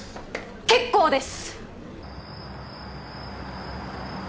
結構です！